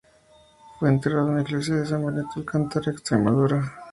Fue enterrado en la Iglesia de San Benito, en Alcántara, Extremadura.